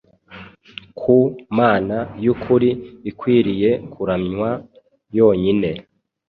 ku Mana y’ukuri ikwiriye kuramywa yonyine,